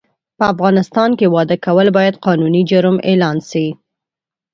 په افغانستان کې واده کول باید قانوني جرم اعلان سي